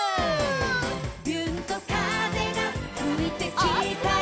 「びゅーんと風がふいてきたよ」